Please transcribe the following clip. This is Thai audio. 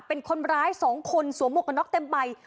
เป็นคนร้าย๒คนสวมบุกลงก็นอกเต็มใบ